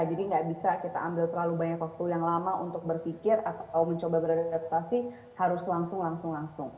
jadi gak bisa kita ambil terlalu banyak waktu yang lama untuk berpikir atau mencoba beradaptasi harus langsung langsung